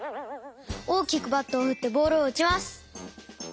おおきくバットをふってボールをうちます。